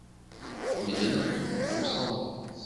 Mais l’énigme lui parut sans importance.